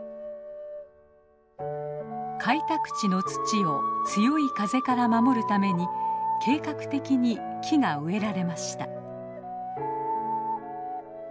開拓地の土を強い風から守るために計画的に木が植えられました。